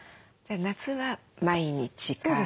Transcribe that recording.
じゃあ夏は毎日か。